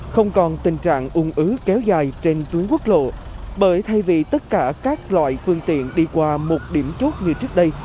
không còn tình trạng ung ứ kéo dài trên tuyến quốc lộ bởi thay vì tất cả các loại phương tiện đi qua một điểm chốt như trước đây